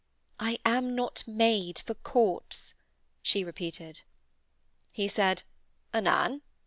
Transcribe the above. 'I am not made for courts,' she repeated. He said: 'Anan?'